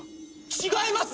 違います！